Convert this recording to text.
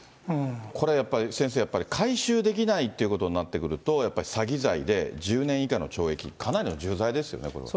これやっぱり、先生やっぱり、回収できないっていうことになると、やっぱり詐欺罪で、１０年以下の懲役、かなりの重罪ですよね、これは。